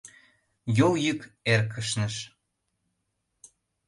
йол йӱк эркышныш.